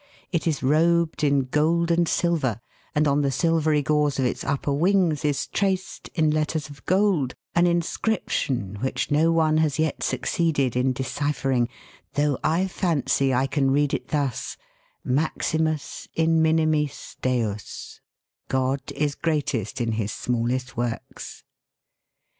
It is robed in gold and silver, and on the silvery gauze of its upper wings is traced, in letters of gold, an inscrip tion which no one has yet succeeded in deciphering, though I fancy I can read it thus : Maximus in minimis Deus (God is greatest in His smallest works).